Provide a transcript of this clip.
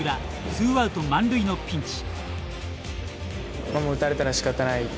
ツーアウト満塁のピンチ。